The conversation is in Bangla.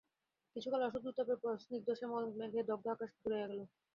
কিছুকাল অসহ্য উত্তাপের পর স্নিগ্ধশ্যামল মেঘে দগ্ধ আকাশ জুড়াইয়া গেল।